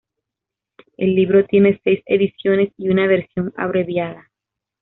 El libro tiene seis ediciones y una versión abreviada.